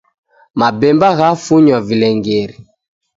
Mabemba ghafunya vilengeri.